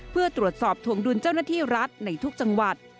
เพื่อตรวจสอบถวงดุลเจ้าหน้าที่รัฐในทุกจังหวัด